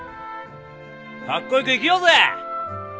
カッコよく生きようぜ！